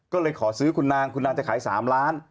ก็เลยขอซื้อคุณนางคุณนางจะขาย๓ล้าน